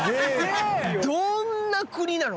どんな国なの？